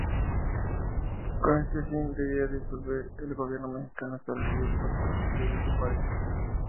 Con ese fin, debía disolver el Gobierno mexicano establecido por el Presidente Benito Juárez.